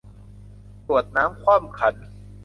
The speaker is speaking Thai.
กรวดน้ำคว่ำขัน